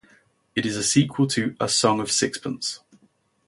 It is a sequel to "A Song of Sixpence".